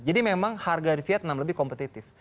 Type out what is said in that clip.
jadi memang harga di vietnam lebih kompetitif